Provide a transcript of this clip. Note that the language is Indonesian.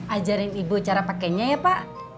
ajarin ibu cara pakainya ya pak